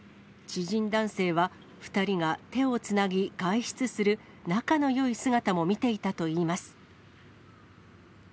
知人男性は、２人が手をつなぎ、外出する仲のよい姿も見ていたといいます。